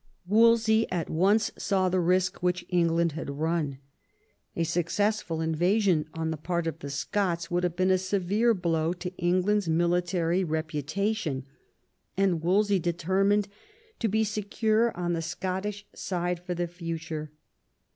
Wolsey at once saw the risk which England had run. A successful invasion on the part of the Scots would have been a severe blow to England's military reputa tion; and Wolsey determined to be secure on the Scottish side for the future.